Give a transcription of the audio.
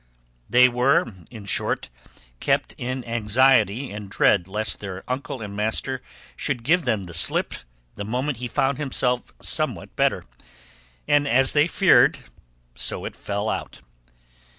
They were, in short, kept in anxiety and dread lest their uncle and master should give them the slip the moment he found himself somewhat better, and as they feared so it fell out.